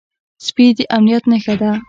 سپي د امنيت نښه ده.